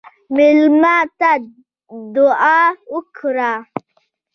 مېلمه ته دعا وکړه.